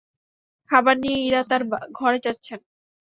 খাবার নিয়ে ইরা তাঁর ঘরে যাচ্ছেন।